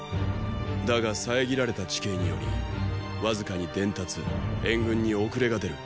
だが遮られた地形によりわずかに伝達・援軍に遅れが出る。